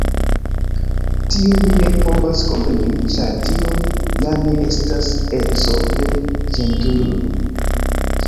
Tion mi ne povas kompreni, ĉar tio ja ne estas eco de ĝentilulo.